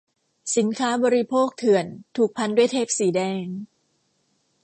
สินค้าบริโภคเถื่อน ถูกพันด้วยเทปสีแดง